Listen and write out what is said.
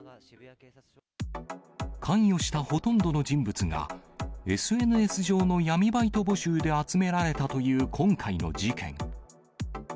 関与したほとんどの人物が、ＳＮＳ上の闇バイト募集で集められたという今回の事件。